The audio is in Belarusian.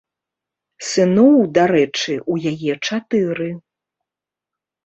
Сыноў, дарэчы, у яе чатыры.